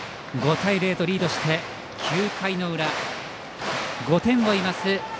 ５対０とリードして９回の裏、５点を追います